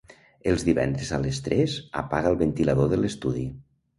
Els divendres a les tres apaga el ventilador de l'estudi.